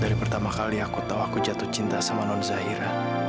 dari pertama kali aku tahu aku jatuh cinta sama non zahira